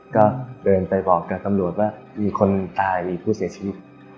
ก็เดินไปบอกกับตำรวจว่ามีคนตายมีผู้เสียชีวิต